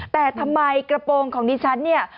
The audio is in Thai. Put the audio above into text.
แต่ทำไมกระโปรงของดิฉันเนี่ย